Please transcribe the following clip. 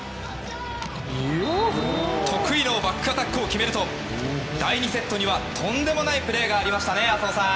得意のバックアタックを決めると第２セットにはとんでもないプレーがありましたね、浅尾さん。